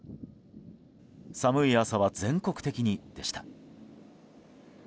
寒い朝は全国的に、でした。